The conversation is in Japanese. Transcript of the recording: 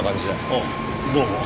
ああどうも。